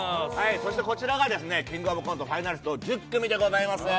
そしてこちらが「キングオブコント」ファイナリスト１０組でございます